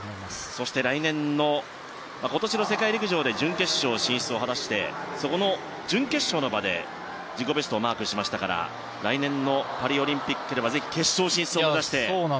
そして、今年の世界陸上で準決勝進出を果たしてその準決勝の場で自己ベストをマークしましたから来年のパリオリンピックではぜひ決勝進出を目指して。